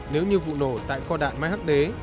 nếu như vụ nổ tại kho đạn mai hắc đế